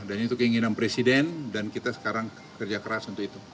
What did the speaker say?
dan itu keinginan presiden dan kita sekarang kerja keras untuk itu